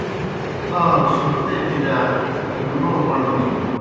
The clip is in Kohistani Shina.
آن٘روْ صُرتے کِرِیا لو مڑنینوْ۔